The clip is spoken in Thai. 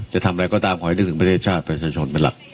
จะทำอะไรก็ตามขอให้นึกถึงประชาชนเป็นหลัก